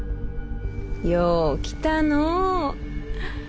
よう来たの。